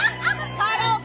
カラオケ！